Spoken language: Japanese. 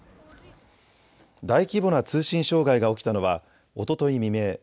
大規模な通信障害が起きたのはおととい未明。